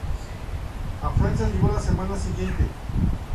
A Francia llegó a la semana siguiente.